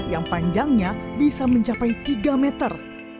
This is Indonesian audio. yang panjangnya bisa mencapai tiga meter